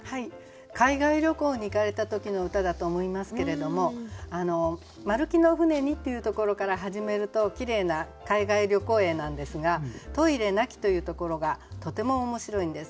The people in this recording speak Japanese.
海外旅行に行かれた時の歌だと思いますけれども「丸木の舟に」っていうところから始めるときれいな海外旅行詠なんですが「トイレ無き」というところがとても面白いんです。